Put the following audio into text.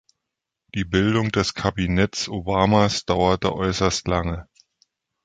Die Bildung des Kabinetts Obamas dauerte äußerst lange.